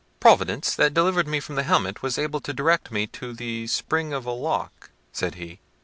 "Providence, that delivered me from the helmet, was able to direct me to the spring of a lock," said he.